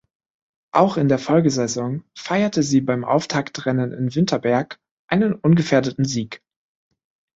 Auch in der Folgesaison feierte sie beim Auftaktrennen in Winterberg einen ungefährdeten Sieg.